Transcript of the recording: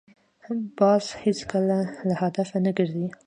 باز هېڅکله له هدفه نه ګرځي